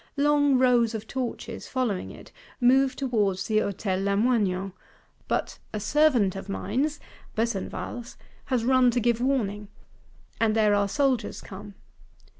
Long rows of torches, following it, move towards the Hôtel Lamoignon; but "a servant of mine" (Besenval's) has run to give warning, and there are soldiers come.